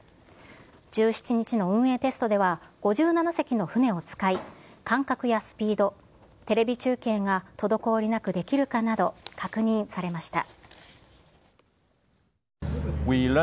１７日の運営テストでは、５７隻の船を使い、間隔やスピード、テレビ中継が滞りなくできるかなど、確認されました。